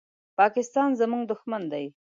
پاکستان زمونږ دوښمن دی